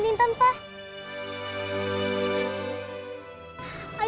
saya gak suka makan gorengan